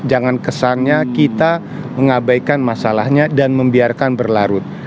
jangan kesannya kita mengabaikan masalahnya dan membiarkan berlarut